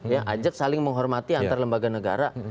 ya ajak saling menghormati antar lembaga negara